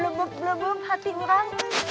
blubub blubub hati orang